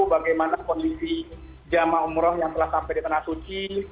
bagaimana kondisi jamaah umroh yang telah sampai di tanah suci